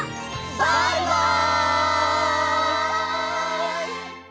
バイバイ！